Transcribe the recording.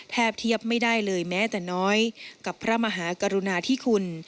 เทียบไม่ได้เลยแม้แต่น้อยกับพระมหากรุณาธิคุณ